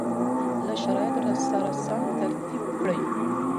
له شرایطو سره سم ترتیب کړي